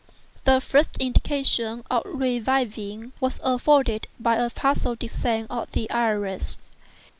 The first indication of revival was afforded by a partial descent of the iris.